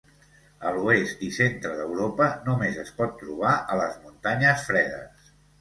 A l'Oest i Centre d'Europa només es pot trobar a les muntanyes fredes.